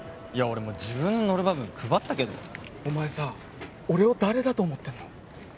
俺もう自分のノルマ分配ったけどお前さ俺を誰だと思ってんの？